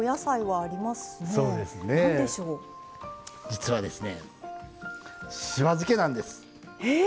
実はですねしば漬けなんです。え！